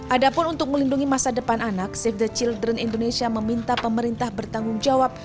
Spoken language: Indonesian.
ada pun untuk melindungi masa depan anak save the children indonesia meminta pemerintah bertanggung jawab